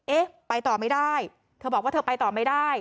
เอ๊ะไปต่อไม่ได้เธอบอกว่าเธอไปต่อไม่ได้